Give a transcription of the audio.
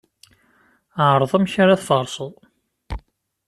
Ԑreḍ amek ara tfarseḍ.